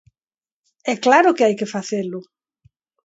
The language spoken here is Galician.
E claro que hai que facelo.